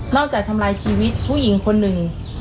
จะทำลายชีวิตผู้หญิงคนหนึ่ง